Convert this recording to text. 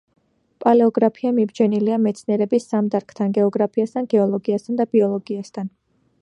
პალეოგეოგრაფია მიბჯენილია მეცნიერების სამ დარგთან: გეოგრაფიასთან, გეოლოგიასთან და ბიოლოგიასთან.